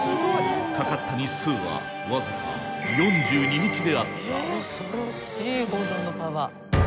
かかった日数は僅か４２日であった。